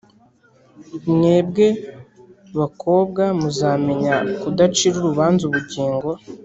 mwebwe bakobwa muzamenya kudacira urubanza ubugingo